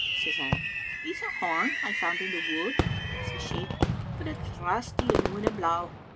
* says I. " *It's a horn I found in the wood,' says she, *but it's rusty and winna blaw.